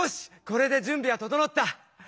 これで準備はととのった！